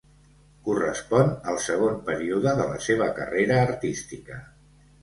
Correspon al segon període de la seva carrera artística.